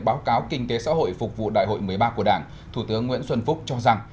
báo cáo kinh tế xã hội phục vụ đại hội một mươi ba của đảng thủ tướng nguyễn xuân phúc cho rằng